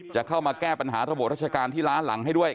จะเข้ามาแก้ปัญหาระบบราชการที่ล้าหลังให้ด้วย